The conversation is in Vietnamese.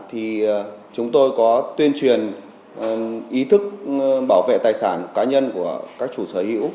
thì chúng tôi có tuyên truyền ý thức bảo vệ tài sản cá nhân của các chủ sở hữu